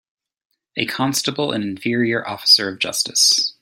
A constable an inferior officer of justice.